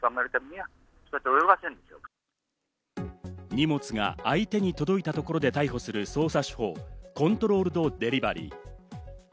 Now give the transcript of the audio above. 荷物が相手に届いたところで逮捕する捜査手法コントロールド・デリバリー。